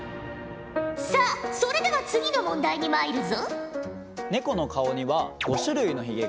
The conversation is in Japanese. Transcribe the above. さあそれでは次の問題にまいるぞ！